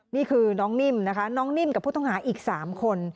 นี่คือน้องนิ่มนะคะน้องนิ่มกับผู้ต้องหาอีก๓คน